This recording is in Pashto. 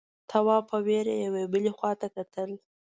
تواب په وېره يوې بلې خواته کتل…